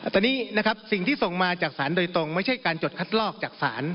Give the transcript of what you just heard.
ตอนนี้นะครับสิ่งที่ส่งมาจากศาลโดยตรงไม่ใช่การจดคัดลอกจากศาล